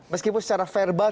meskipun secara verbal